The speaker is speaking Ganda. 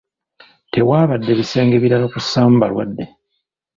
Tewaabadde bisenge birala kussaamu balwadde.